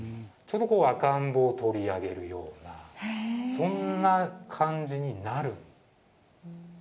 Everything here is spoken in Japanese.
ちょうど赤ん坊をとり上げるようなそんな感じになる。